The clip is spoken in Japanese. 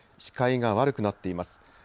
視界が悪くなっています。